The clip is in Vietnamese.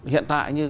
hiện tại như